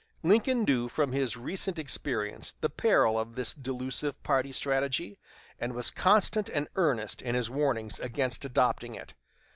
Lincoln knew from his recent experience the peril of this delusive party strategy, and was constant and earnest in his warnings against adopting it.